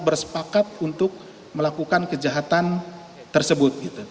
bersepakat untuk melakukan kejahatan tersebut